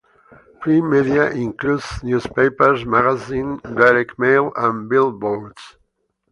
Print media includes newspapers, magazines, direct mail, and billboards.